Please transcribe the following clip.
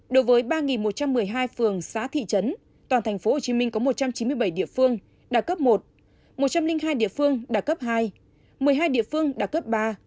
đối với ba một trăm một mươi hai phường xã thị trấn toàn thành phố hồ chí minh có một trăm chín mươi bảy địa phương đã cấp một một trăm linh hai địa phương đã cấp hai một mươi hai địa phương đã cấp ba